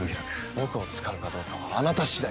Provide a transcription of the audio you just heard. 僕を使うかどうかはあなた次第だ。